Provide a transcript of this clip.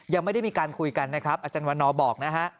ยังไม่ได้มีการคุยกันนะครับอาจารย์วันนอร์บอกนะฮะ